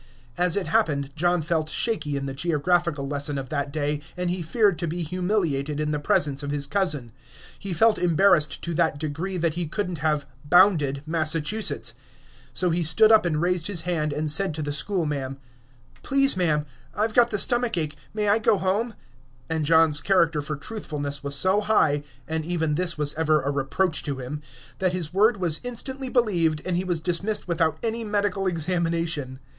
As it happened, John felt shaky in the geographical lesson of that day, and he feared to be humiliated in the presence of his cousin; he felt embarrassed to that degree that he could n't have "bounded" Massachusetts. So he stood up and raised his hand, and said to the schoolma'am, "Please, ma'am, I 've got the stomach ache; may I go home?" And John's character for truthfulness was so high (and even this was ever a reproach to him), that his word was instantly believed, and he was dismissed without any medical examination.